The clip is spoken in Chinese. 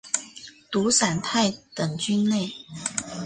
毒伞肽等菌类。